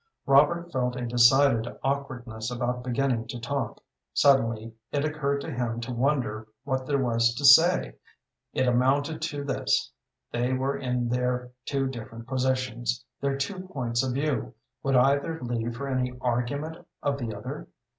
Robert felt a decided awkwardness about beginning to talk. Suddenly it occurred to him to wonder what there was to say. It amounted to this: they were in their two different positions, their two points of view would either leave for any argument of the other?